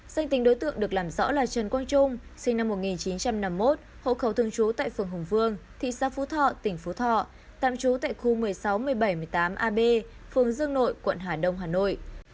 danh tính đối tượng được làm rõ là trần quang trung sinh năm một nghìn chín trăm năm mươi một hộ khẩu thương chú tại phường hùng vương thị xã phú thọ tỉnh phú thọ tạm chú tại khu một mươi sáu một mươi bảy một mươi tám ab phường dương nội quận hải đông hà nội